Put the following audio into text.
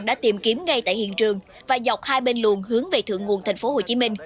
đã tìm kiếm ngay tại hiện trường và dọc hai bên luồng hướng về thượng nguồn tp hcm